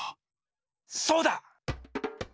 そうだ！